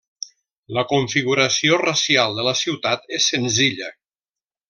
La configuració racial de la ciutat és senzilla.